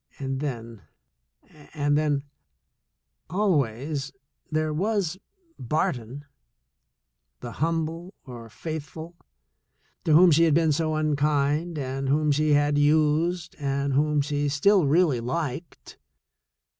And then — and then — always there was Barton, the humble or faithful, to whom she had been so un kind and whom she had used and whom she still really liked.